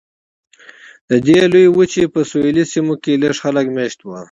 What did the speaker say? د دې لویې وچې په سویلي سیمو کې لږ خلک مېشت وو.